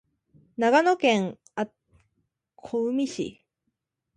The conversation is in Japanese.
長野県小海町